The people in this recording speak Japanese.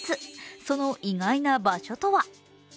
その意外な場所とは？